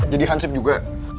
jadi hansip juga